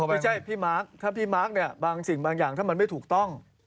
ไม่ใช่พี่มาร์คถ้าพี่มาร์คเนี่ยบางสิ่งบางอย่างถ้ามันไม่ถูกต้อง